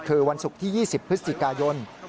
คือวันศุกร์ที่๒๐พฤศจิกายน